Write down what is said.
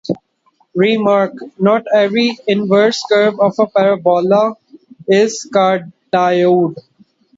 "Remark: "Not every inverse curve of a parabola is a cardioid.